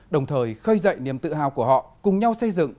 đồng thời khơi dậy niềm tự hào của họ cùng nhau xây dựng